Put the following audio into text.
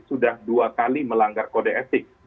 sudah dua kali melanggar kode etik